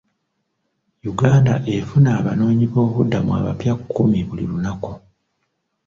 Uganda efuna abanoonyi boobubudamu abapya kkumi buli lunaku.